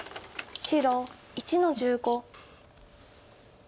白１の十五。